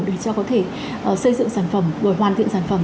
để cho có thể xây dựng sản phẩm để hoàn thiện sản phẩm